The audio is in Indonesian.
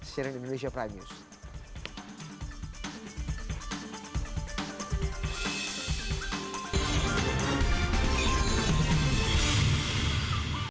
sering indonesia prime news